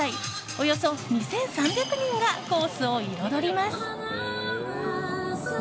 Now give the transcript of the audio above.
およそ２３００人がコースを彩ります。